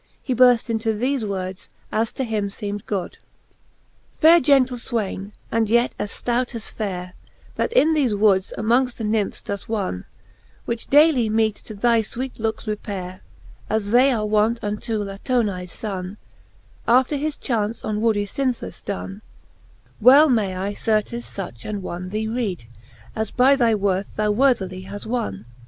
He burft into thefe words, as to him leemed good: XXV. Faire gentle fwayne, and yet as ftout as fayre, That in thefe woods amongft the Nymphs doft wonne. Which daily may to thy fweete lookes repayre, As they are wont unto Latonaes lonne, After his chace on woodie Cynthiis donne: Well may I certes fuch an one thee read , As by thy worth thou worthily haft wonne.